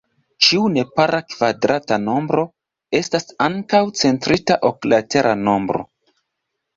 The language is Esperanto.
Ĉiu nepara kvadrata nombro estas ankaŭ centrita oklatera nombro.